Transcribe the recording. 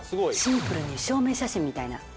シンプルに証明写真みたいな。